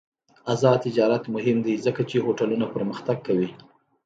آزاد تجارت مهم دی ځکه چې هوټلونه پرمختګ کوي.